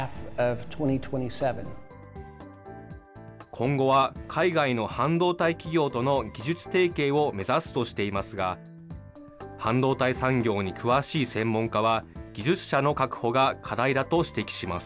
今後は、海外の半導体企業との技術提携を目指すとしていますが、半導体産業に詳しい専門家は、技術者の確保が課題だと指摘します。